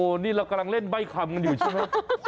โอ้โหนี่เรากำลังเล่นใบ้คำกันอยู่ใช่มั้ย